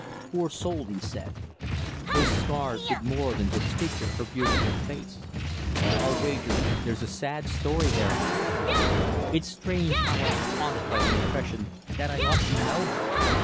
"Poor soul," he said. "Those scars did more than disfigure her beautiful face. I'll wager there's a sad story there, Aaron. It's strange how I am haunted by the impression that I ought to know her.